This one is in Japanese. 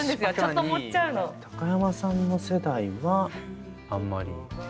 高山さんの世代はあんまり。